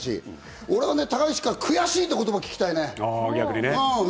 俺は高岸の悔しいって言葉聞きたいね。